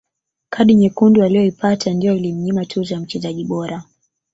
kadi nyekundu aliyoipata ndiyo ilimnyima tuzo ya mchezaji bora